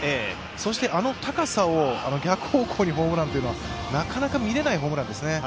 そしてあの高さを逆方向にホームランというのはなかなか見れないホームランですね。